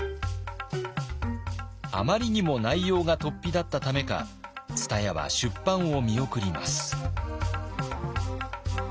あまりにも内容がとっぴだったためか蔦屋は出版を見送ります。